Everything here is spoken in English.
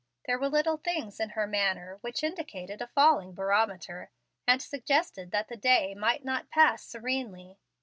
There were little things in her manner Which indicated a falling barometer, and suggested that the day might not pass serenely.